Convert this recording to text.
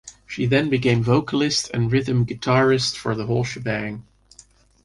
She then became vocalist and rhythm guitarist for The Whole Shebang.